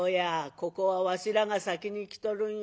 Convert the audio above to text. ここはわしらが先に来とるんや。